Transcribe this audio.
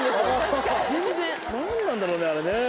何なんだろうねあれね。